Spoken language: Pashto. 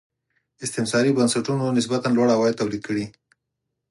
استثماري بنسټونو نسبتا لوړ عواید تولید کړي.